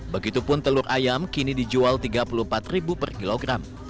begitupun telur ayam kini dijual rp tiga puluh empat per kilogram